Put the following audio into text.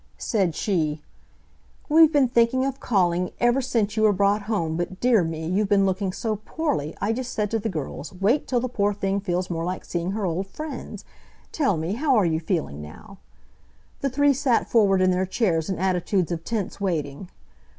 Said she: "We've been thinking of calling ever since you were brought home, but dear me! you've been looking so poorly I just said to the girls, wait till the poor thing feels more like seeing her old friends. Tell me, how are you feeling now?" The three sat forward in their chairs in attitudes of tense waiting.